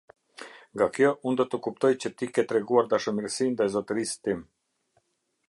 Nga kjo unë do të kuptoj që ti ke treguar dashamirësi ndaj zotërisë tim".